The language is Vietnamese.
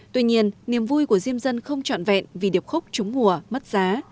tuy nhiên niềm vui của diêm dân không trọn vẹn vì điệp khúc trúng mùa mất giá